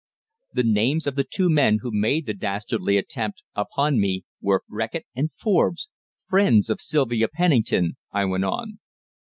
"The names of the two men who made the dastardly attempt upon me were Reckitt and Forbes friends of Sylvia Pennington," I went on.